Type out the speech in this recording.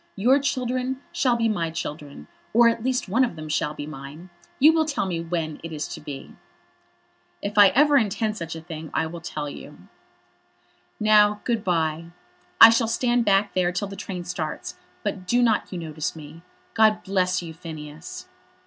Your children shall be my children; or at least one of them shall be mine. You will tell me when it is to be." "If I ever intend such a thing, I will tell you." "Now, good bye. I shall stand back there till the train starts, but do not you notice me. God bless you, Phineas."